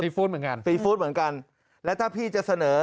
ฟู้ดเหมือนกันซีฟู้ดเหมือนกันและถ้าพี่จะเสนอ